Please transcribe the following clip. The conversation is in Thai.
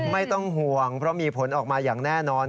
ไม่ต้องห่วงเพราะมีผลออกมาอย่างแน่นอน